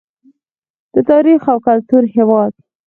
د تاریخ او کلتور هیواد.